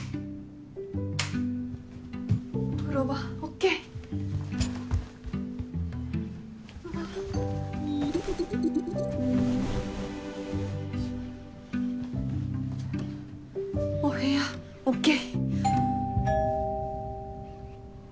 お風呂場ＯＫお部屋ＯＫ